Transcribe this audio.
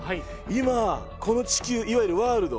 今この地球いわゆるワールド。